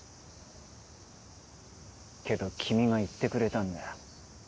けど君が言ってくれたんだよ。